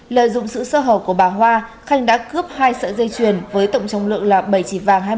lợi dụng sự sơ hầu của bà hoa khanh đã cướp hai sợi dây chuyền với tổng trọng lượng là bảy chỉ vàng hai mươi bốn k